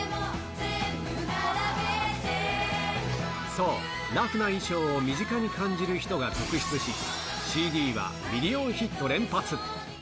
そう、ラフな衣装を身近に感じる人が続出し、ＣＤはミリオンヒット連発。